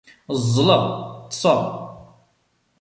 Ẓẓleɣ, ṭṭseɣ.